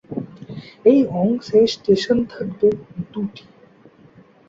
এই অংশে স্টেশন থাকবে দুটি।